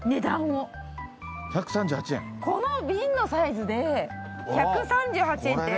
この瓶のサイズで１３８円って。